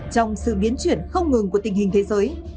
trong sự biến chuyển không ngừng của tình hình thế giới